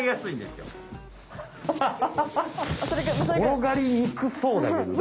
転がりにくそうだけどね！